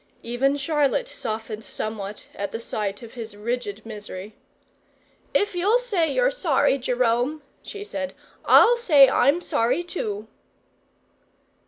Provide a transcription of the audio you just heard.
Even Charlotte softened somewhat at the sight of his rigid misery. "If you'll say you're sorry. Jerome," she said, "I'll say I'm sorry, too."